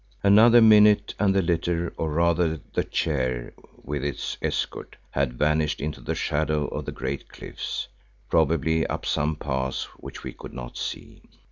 Another minute and the litter, or rather the chair with its escort, had vanished into the shadow of the great cliffs, probably up some pass which we could not see.